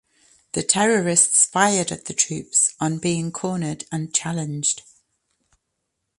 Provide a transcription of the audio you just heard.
The terrorists fired at the troops on being cornered and challenged.